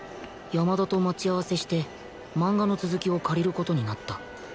山田と待ち合わせしてマンガの続きを借りる事になった